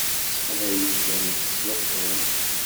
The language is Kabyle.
S teqbaylit kan i tettzuxxum.